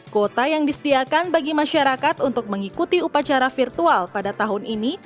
kuota yang disediakan bagi masyarakat untuk mengikuti upacara virtual pada tahun ini